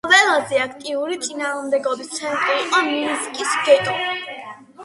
ყველაზე აქტიური წინააღმდეგობის ცენტრი იყო მინსკის გეტო.